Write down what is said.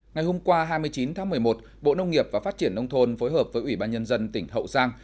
ngày hôm qua hai mươi chín tháng một mươi một bộ nông nghiệp và phát triển nông thôn phối hợp với ủy ban nhân dân tỉnh hậu giang